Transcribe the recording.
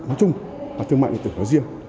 nói chung là thương mại điện tử nó riêng